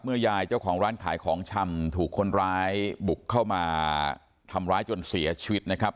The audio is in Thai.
ยายเจ้าของร้านขายของชำถูกคนร้ายบุกเข้ามาทำร้ายจนเสียชีวิตนะครับ